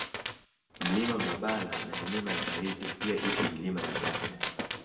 Mlima Babala na Milima ya Baridi pia ipo Milima ya Bast